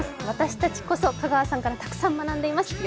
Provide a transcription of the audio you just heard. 私たちこそ、香川さんからたくさん学んでいます。